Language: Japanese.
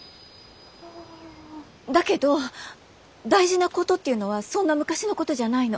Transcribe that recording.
だけど大事なことっていうのはそんな昔のことじゃないの。